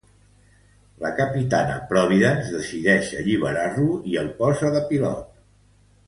La capitana Providence decideix alliberar-lo i el posa de pilot.